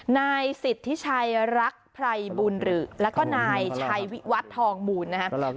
นายสิทธิชัยรักไพรบุญหรือแล้วก็นายชัยวิวัฒน์ทองมูลนะครับ